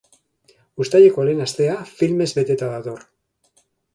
Uztaileko lehen astea filmez beteta dator.